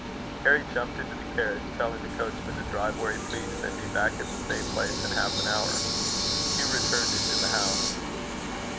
Harry jumped into the carriage, telling the coachman to drive where he pleased, and be back at the same place in half an hour. Hugh returned into the house.